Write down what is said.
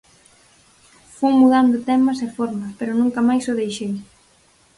Fun mudando temas e formas, pero nunca máis o deixei.